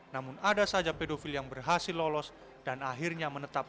namun ada saja pedofil yang berhasil lolos dan akhirnya menetap